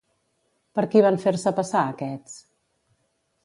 Per qui van fer-se passar aquests?